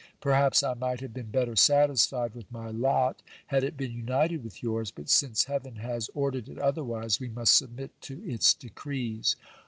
Perhaps I might have been better satisfied with my lot, had it been united with yours ; but since heaven has ordered it otherwise, we must submit to its decrees.